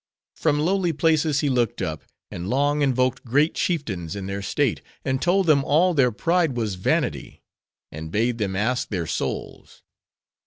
From lowly places, he looked up; and long invoked great chieftains in their state; and told them all their pride was vanity; and bade them ask their souls.